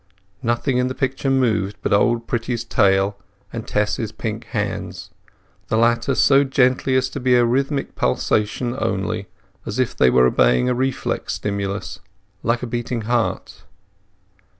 Nothing in the picture moved but Old Pretty's tail and Tess's pink hands, the latter so gently as to be a rhythmic pulsation only, as if they were obeying a reflex stimulus, like a beating heart.